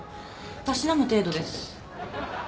たしなむ程度です。